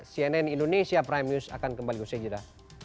cnn indonesia prime news akan kembali bersedia